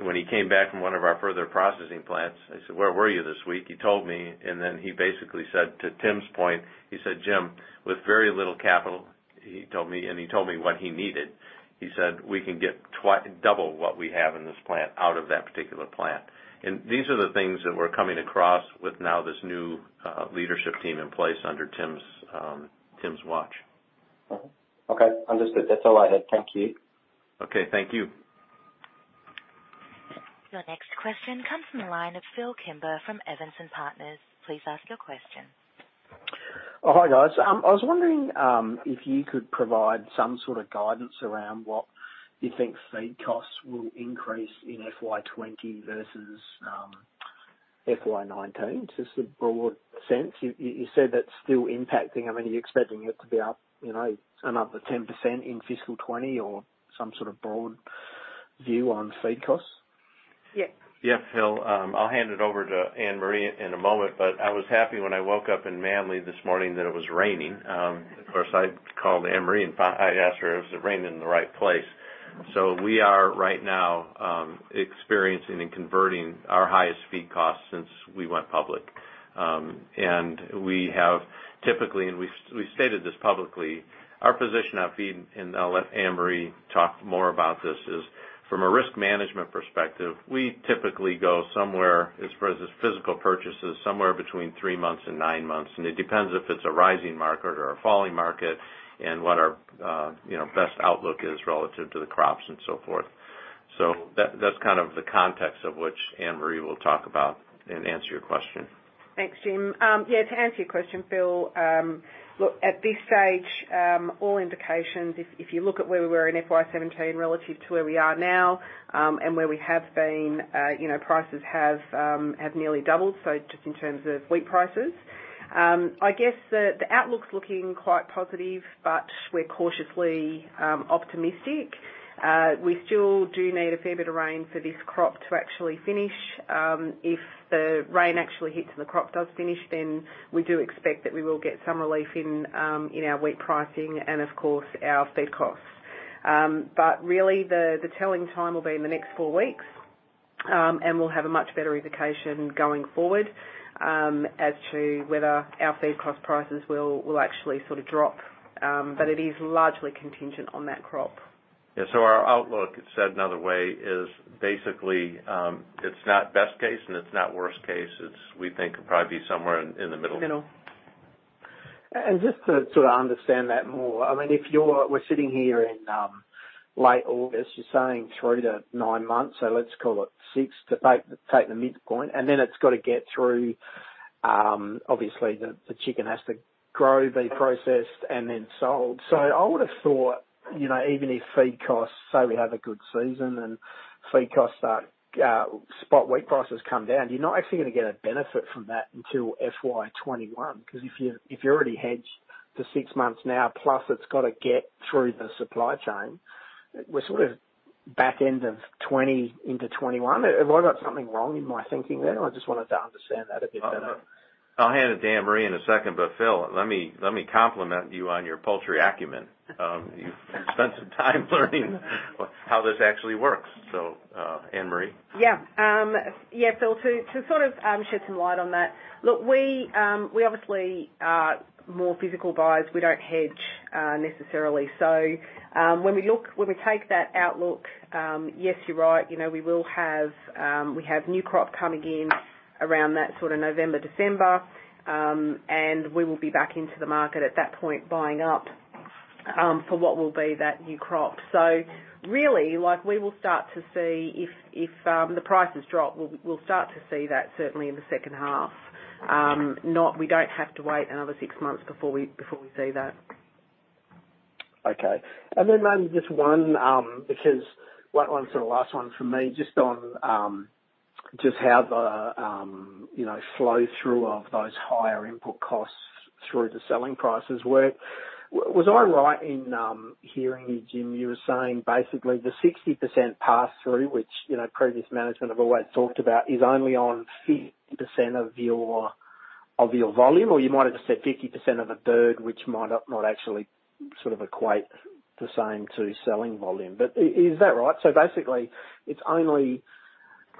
when he came back from one of our further processing plants, I said, "Where were you this week?" He told me, and then he basically said, to Tim's point, he said, "Jim, with very little capital," he told me, and he told me what he needed. He said, "We can get double what we have in this plant out of that particular plant." These are the things that we're coming across with now this new leadership team in place under Tim's watch. Okay. Understood. That's all I had. Thank you. Okay, thank you. Your next question comes from the line of Phil Kimber from Evans and Partners. Please ask your question. Hi, guys. I was wondering if you could provide some sort of guidance around what you think feed costs will increase in FY 2020 versus FY 2019, just a broad sense. You said that's still impacting. Are you expecting it to be up another 10% in fiscal 2020 or some sort of broad view on feed costs? Yeah. Yeah, Phil. I'll hand it over to Anne-Marie in a moment, but I was happy when I woke up in Manly this morning that it was raining. Of course, I called Anne-Marie, and I asked her if it was raining in the right place. We are right now experiencing and converting our highest feed costs since we went public. We have typically, and we stated this publicly, our position on feed, and I'll let Anne-Marie talk more about this, is from a risk management perspective, we typically go somewhere as far as physical purchases, somewhere between three months and nine months, and it depends if it's a rising market or a falling market and what our best outlook is relative to the crops and so forth. That's kind of the context of which Anne-Marie will talk about and answer your question. Thanks, Jim. Yeah, to answer your question, Phil, look, at this stage, all indications, if you look at where we were in FY 2017 relative to where we are now, and where we have been, prices have nearly doubled, so just in terms of wheat prices. I guess the outlook's looking quite positive, but we're cautiously optimistic. We still do need a fair bit of rain for this crop to actually finish. If the rain actually hits and the crop does finish, then we do expect that we will get some relief in our wheat pricing and of course our feed costs. Really, the telling time will be in the next four weeks, and we'll have a much better indication going forward as to whether our feed cost prices will actually sort of drop. It is largely contingent on that crop. Our outlook, said another way, is basically it's not best case and it's not worst case. It's we think could probably be somewhere in the middle. Middle. Just to sort of understand that more, if we're sitting here in late August, you're saying 3-9 months, so let's call it six to take the midpoint, and then it's got to get through, obviously the chicken has to grow, be processed, and then sold. I would have thought, even if feed costs, say we have a good season and feed costs start, spot wheat prices come down, you're not actually going to get a benefit from that until FY 2021. If you already hedged for six months now, plus it's got to get through the supply chain, we're sort of back end of 2020 into 2021. Have I got something wrong in my thinking there? I just wanted to understand that a bit better. I'll hand it to Anne-Marie in a second, but Phil, let me compliment you on your poultry acumen. You've spent some time learning how this actually works. Anne-Marie. Yeah. Phil, to sort of shed some light on that, look, we obviously are more physical buyers. We don't hedge necessarily. When we take that outlook, yes, you're right. We have new crop coming in around that sort of November, December, and we will be back into the market at that point, buying up for what will be that new crop. Really, we will start to see if the prices drop, we'll start to see that certainly in the second half. We don't have to wait another six months before we see that. Okay. Maybe just one, because, one sort of last one from me, just on how the flow through of those higher input costs through the selling prices work. Was I right in hearing you, Jim, you were saying basically the 60% pass-through, which previous management have always talked about, is only on 50% of your volume, or you might have said 50% of a bird, which might not actually sort of equate the same to selling volume. Is that right? Basically, it's only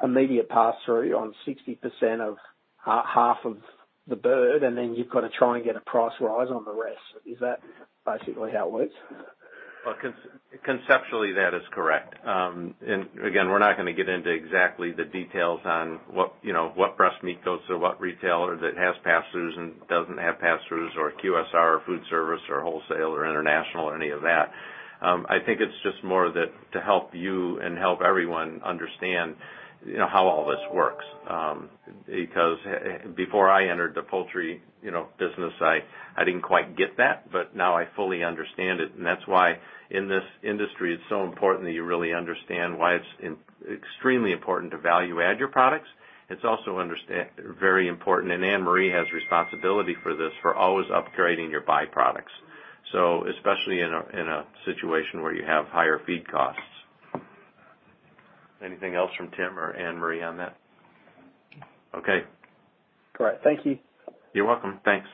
immediate pass-through on 60% of half of the bird, and then you've got to try and get a price rise on the rest. Is that basically how it works? Well, conceptually, that is correct. Again, we're not going to get into exactly the details on what breast meat goes to what retailer that has pass-throughs and doesn't have pass-throughs or QSR or food service or wholesale or international or any of that. I think it's just more that to help you and help everyone understand how all this works. Before I entered the poultry business, I didn't quite get that, but now I fully understand it. That's why in this industry, it's so important that you really understand why it's extremely important to value add your products. It's also very important, and Anne-Marie has responsibility for this, for always upgrading your byproducts. Especially in a situation where you have higher feed costs. Anything else from Tim or Anne-Marie on that? Okay. Great. Thank you. You're welcome. Thanks.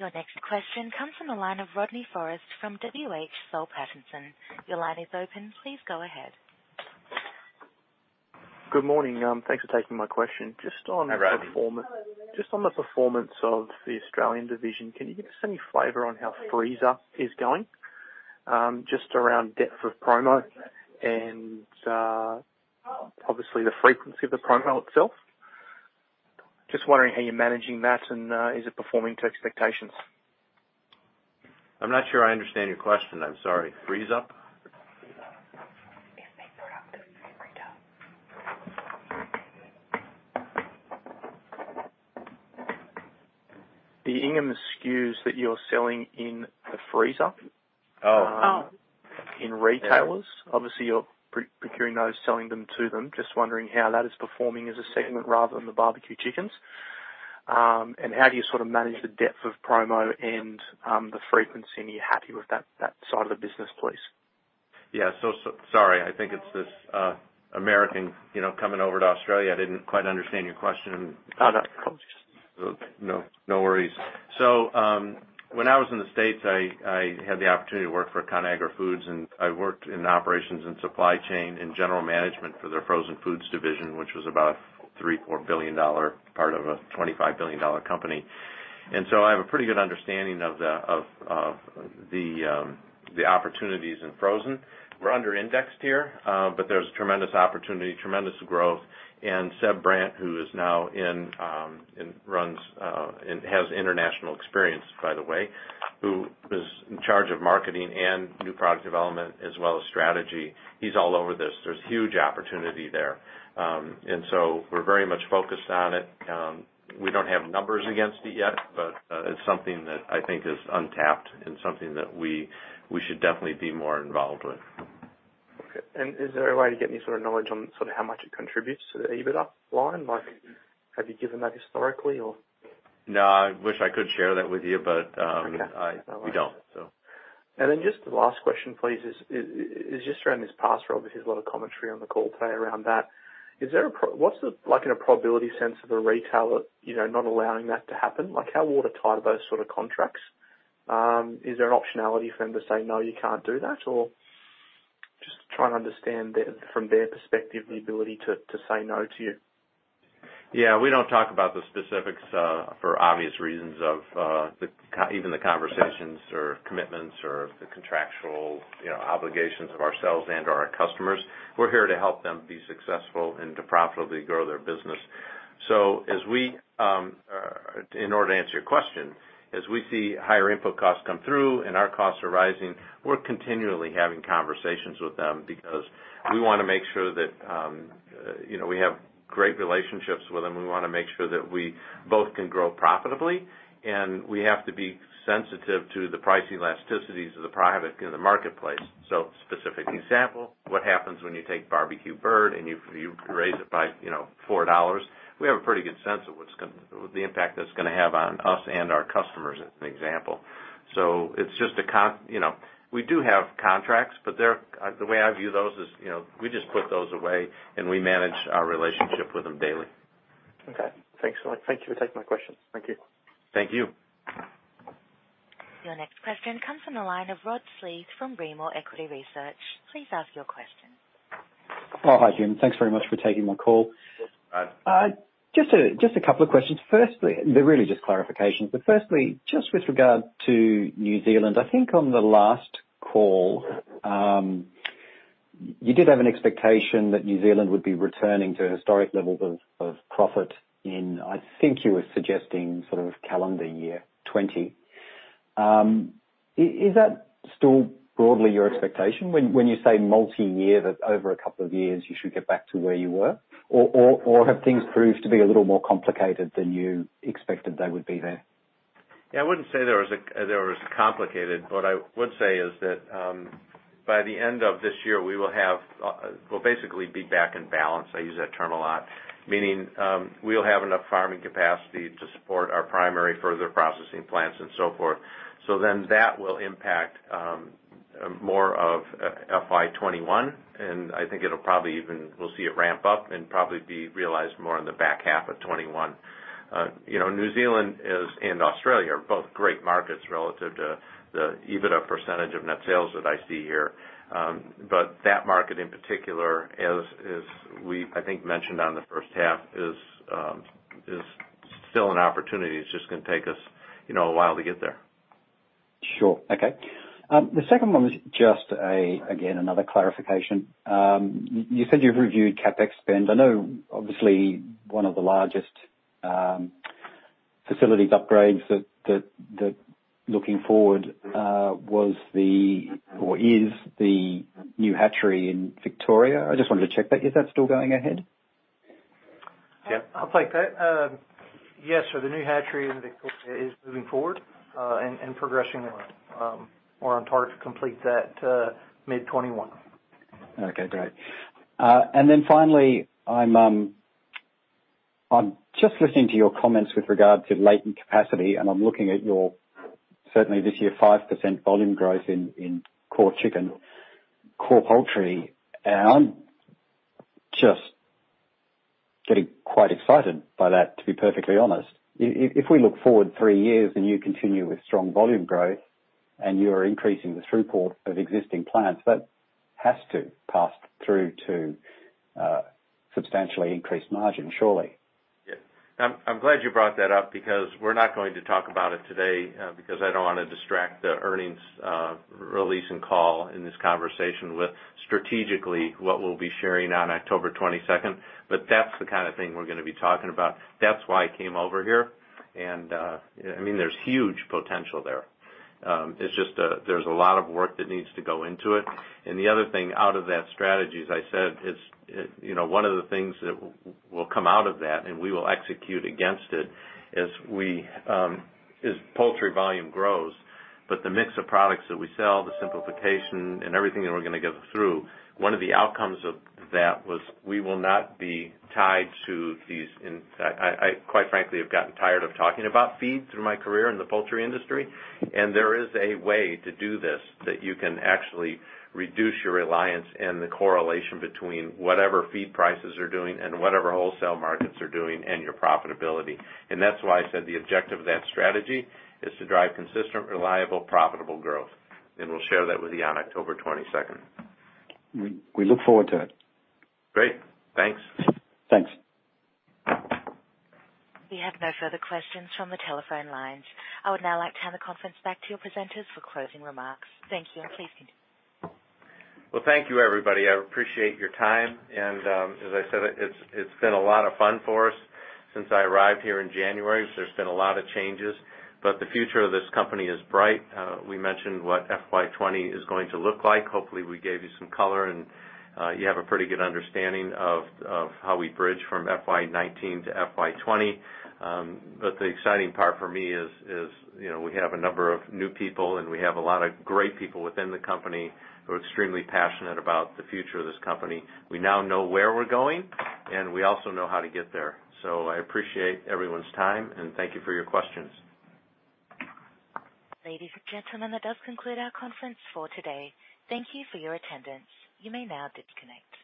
Your next question comes from the line of Rodney Forrest from W.H. Soul Pattinson. Your line is open. Please go ahead. Good morning. Thanks for taking my question. Hi, Rodney. Just on the performance of the Australian division, can you give us any flavor on how freezer is going? Just around depth of promo and obviously the frequency of the promo itself. Just wondering how you're managing that and is it performing to expectations? I'm not sure I understand your question. I'm sorry. Freeze up? Freezer. It's the product freezer. The Inghams SKUs that you're selling in the freezer. Oh. Oh. In retailers. Obviously, you're procuring those, selling them to them. Just wondering how that is performing as a segment rather than the barbecue chickens. How do you sort of manage the depth of promo and the frequency, and are you happy with that side of the business, please? Yeah. Sorry. I think it's this American coming over to Australia. I didn't quite understand your question. Oh, no. It's quite all right No worries. When I was in the States, I had the opportunity to work for Conagra Brands, and I worked in operations and supply chain and general management for their frozen foods division, which was about a 3 billion-4 billion dollar part of a 25 billion dollar company. I have a pretty good understanding of the opportunities in frozen. We're under-indexed here, but there's tremendous opportunity, tremendous growth. Seb Brandt, who is now in and has international experience, by the way, who is in charge of marketing and new product development as well as strategy, he's all over this. There's huge opportunity there. We're very much focused on it. We don't have numbers against it yet, but it's something that I think is untapped and something that we should definitely be more involved with. Okay. Is there a way to get any sort of knowledge on how much it contributes to the EBITDA line? Like have you given that historically or? No, I wish I could share that with you. Okay we don't. Just the last question, please, is just around this pass-through. Obviously, there's a lot of commentary on the call today around that. What's the, like, in a probability sense of a retailer not allowing that to happen? How watertight are those sort of contracts? Is there an optionality for them to say, "No, you can't do that?" Just trying to understand from their perspective, the ability to say no to you. Yeah. We don't talk about the specifics for obvious reasons of even the conversations or commitments or the contractual obligations of ourselves and/or our customers. We're here to help them be successful and to profitably grow their business. In order to answer your question, as we see higher input costs come through and our costs are rising, we're continually having conversations with them because we want to make sure that we have great relationships with them. We want to make sure that we both can grow profitably, and we have to be sensitive to the price elasticities of the private in the marketplace. Specific example, what happens when you take barbecue bird and you raise it by 4 dollars? We have a pretty good sense of the impact that's going to have on us and our customers, as an example. We do have contracts, but the way I view those is, we just put those away, and we manage our relationship with them daily. Okay. Thanks a lot. Thank you for taking my questions. Thank you. Thank you. Your next question comes from the line of Rod Sleath from Rimor Equity Research. Please ask your question. Oh, hi, Jim. Thanks very much for taking my call. Yes. Just a couple of questions. They're really just clarifications, but firstly, just with regard to New Zealand, I think on the last call, you did have an expectation that New Zealand would be returning to historic levels of profit in, I think you were suggesting sort of calendar year 2020. Is that still broadly your expectation when you say multi-year, that over a couple of years you should get back to where you were? Have things proved to be a little more complicated than you expected they would be there? I wouldn't say there was complicated, but what I would say is that by the end of this year, we'll basically be back in balance. I use that term a lot, meaning we'll have enough farming capacity to support our primary further processing plants and so forth. That will impact more of FY 2021, and I think we'll see it ramp up and probably be realized more in the back half of 2021. New Zealand and Australia are both great markets relative to the EBITDA percentage of net sales that I see here. That market in particular, as we, I think, mentioned on the first half is still an opportunity. It's just going to take us a while to get there. Sure. Okay. The second one is just again, another clarification. You said you've reviewed CapEx spend. I know obviously one of the largest facilities upgrades that looking forward was the, or is the new hatchery in Victoria. I just wanted to check that. Is that still going ahead? Yeah. I'll take that. Yes. The new hatchery in Victoria is moving forward, and progressing well. We're on target to complete that mid 2021. Okay, great. Finally, I'm just listening to your comments with regard to latent capacity, and I'm looking at your, certainly this year, 5% volume growth in core chicken, core poultry, and I'm just getting quite excited by that, to be perfectly honest. If we look forward 3 years and you continue with strong volume growth, and you're increasing the throughput of existing plants, that has to pass through to substantially increased margin, surely. Yeah. I'm glad you brought that up because we're not going to talk about it today because I don't want to distract the earnings release and call in this conversation with strategically what we'll be sharing on October 22nd. That's the kind of thing we're going to be talking about. That's why I came over here, and there's huge potential there. It's just there's a lot of work that needs to go into it. The other thing out of that strategy, as I said, one of the things that will come out of that, and we will execute against it, as poultry volume grows, but the mix of products that we sell, the simplification and everything that we're going to get through, one of the outcomes of that was we will not be tied to these. I quite frankly, have gotten tired of talking about feed through my career in the poultry industry. There is a way to do this that you can actually reduce your reliance and the correlation between whatever feed prices are doing and whatever wholesale markets are doing and your profitability. That's why I said the objective of that strategy is to drive consistent, reliable, profitable growth. We'll share that with you on October 22nd. We look forward to it. Great. Thanks. Thanks. We have no further questions from the telephone lines. I would now like to hand the conference back to your presenters for closing remarks. Thank you. Please continue. Well, thank you, everybody. I appreciate your time. As I said, it's been a lot of fun for us since I arrived here in January. There's been a lot of changes. The future of this company is bright. We mentioned what FY 2020 is going to look like. Hopefully, we gave you some color. You have a pretty good understanding of how we bridge from FY 2019 to FY 2020. The exciting part for me is we have a number of new people. We have a lot of great people within the company who are extremely passionate about the future of this company. We now know where we're going. We also know how to get there. I appreciate everyone's time. Thank you for your questions. Ladies and gentlemen, that does conclude our conference for today. Thank you for your attendance. You may now disconnect.